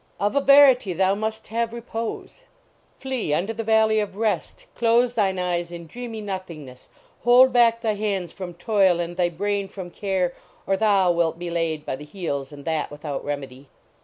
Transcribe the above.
" Of a verity thou must have repose ! Flee unto the Valley of Rest, close thine eyes in dreamy nothingness; hold back thy hands from toil and thy brain from care, or thou wilt be laid by the heels and. that without remedy.